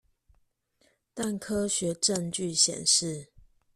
但科學證據顯示